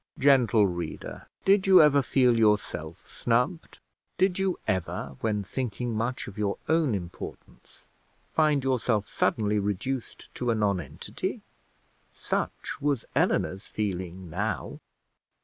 Gentle reader, did you ever feel yourself snubbed? Did you ever, when thinking much of your own importance, find yourself suddenly reduced to a nonentity? Such was Eleanor's feeling now.